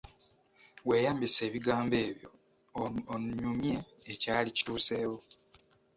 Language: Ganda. Weeyambise ebigambo ebyo onyumye ekyali kituuseewo.